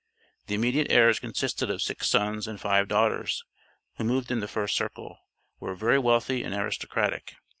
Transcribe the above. The immediate heirs consisted of six sons and five daughters, who moved in the first circle, were "very wealthy and aristocratic."